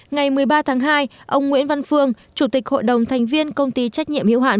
ngày một mươi ba tháng hai ông nguyễn văn phương chủ tịch hội đồng thành viên công ty trách nhiệm hiệu hạn